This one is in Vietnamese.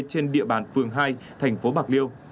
trên địa bàn phường hai thành phố bạc liêu